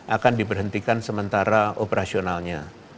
akan diberhentikan sementara operasionalnya